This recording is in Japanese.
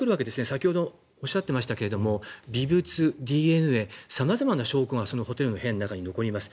先ほどおっしゃっていましたが微物、ＤＮＡ、様々な証拠がホテルの部屋の中に残ります。